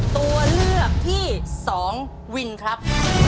ตัวเลือกที่๒วินครับ